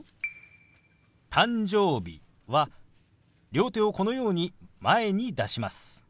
「誕生日」は両手をこのように前に出します。